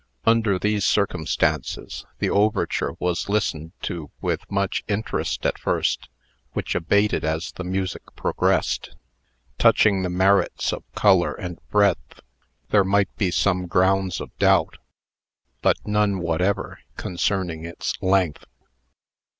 Under these circumstances, the overture was listened to with much interest at first, which abated as the music progressed. Touching the merits of "color" and "breadth" there might be some grounds of doubt, but none whatever concerning its "length."